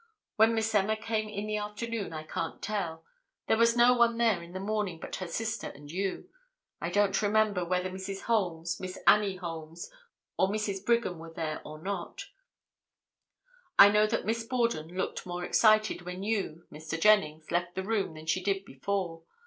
When Miss Emma came in the afternoon I can't tell; there was no one there in the morning but her sister and you; I don't remember whether Mrs. Holmes, Miss Annie Holmes or Mrs. Brigham were there or not; I know that Miss Borden looked more excited when you (Mr. Jennings) left the room than she did before.